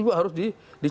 juga harus dicari